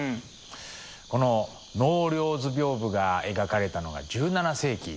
この「納涼図屏風」が描かれたのが１７世紀。